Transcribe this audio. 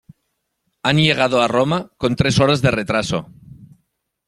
Han llegado a Roma con tres horas de retraso.